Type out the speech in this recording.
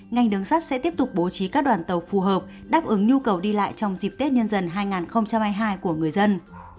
ngành đường sắt sẽ tiếp tục bố trí các đoàn tàu phù hợp đáp ứng nhu cầu đi lại trong dịp tết nhân dân hai nghìn hai mươi hai của người dân